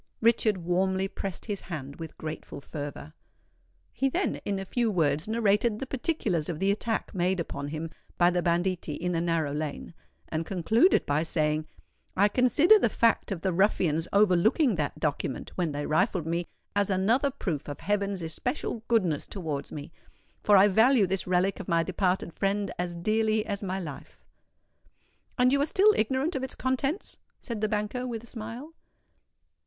Richard warmly pressed his hand with grateful fervour. He then in a few words narrated the particulars of the attack made upon him by the banditti in the narrow lane, and concluded by saying, "I consider the fact of the ruffians overlooking that document when they rifled me, as another proof of heaven's especial goodness towards me; for I value this relic of my departed friend as dearly as my life." "And you are still ignorant of its contents?" said the banker, with a smile.